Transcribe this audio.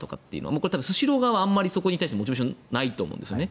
これは多分スシロー側はそこに対してモチベーションはないと思うんですね。